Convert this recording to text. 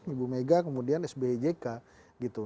ibu mega kemudian sbejk gitu